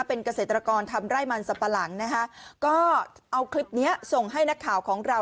เป็นเกษตรกรทำไร่มันสับปะหลังนะคะก็เอาคลิปเนี้ยส่งให้นักข่าวของเรา